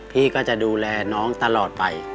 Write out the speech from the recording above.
พี่ก็จะดูแลน้องตลอดไป